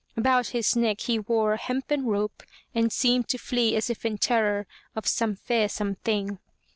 About his neck he wore a hempen rope and seemed to flee as if in terror of some fearsome thing.